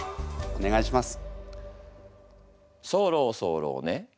お願いします。